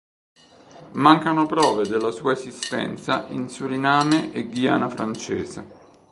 Mancano prove della sua esistenza in Suriname e Guyana francese.